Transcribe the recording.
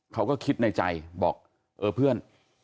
เขาก็คิดในใจบอกเออเพื่อน